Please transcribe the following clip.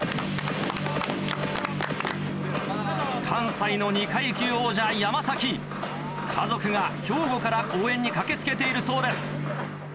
関西の２階級王者山家族が兵庫から応援に駆け付けているそうです。